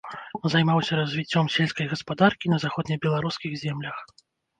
Займаўся развіццём сельскай гаспадаркі на заходнебеларускіх землях.